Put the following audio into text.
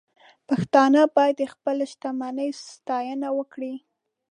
پښتانه باید د خپلو شتمنیو ساتنه وکړي.